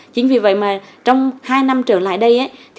chính vì vậy trong hai năm trở lại đây